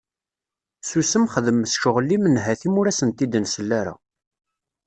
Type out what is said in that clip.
Susem xdem cɣel nhati-m ur d asent-id-nessel ara.